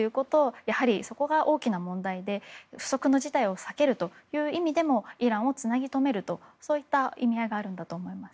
やはり、そこが大きな問題で不測の事態を避ける意味でもイランをつなぎとめるという意味合いがあると思います。